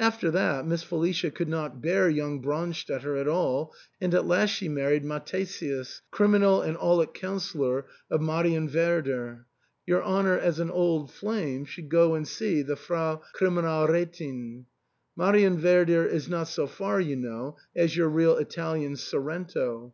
After that Miss Felicia could not bear young Brandstetter at all, and at last she married Mathesius, criminal and aulic counsellor, of Marienwerder. Your honour, as an old flame, should go and see the Frau Kriminalrdthin, Marienwerder is not so far, you know, as your real Italian Sorrento.